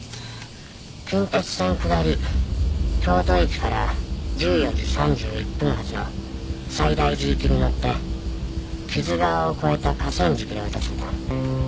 「近鉄線下り京都駅から１４時３１分発の西大寺行きに乗って木津川を越えた河川敷で落とすんだ」